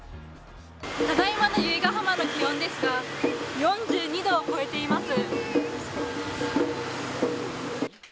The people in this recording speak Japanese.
ただいまの由比ガ浜の気温ですが４２度を超えています。